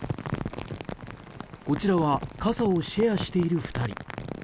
こちらは傘をシェアしている２人。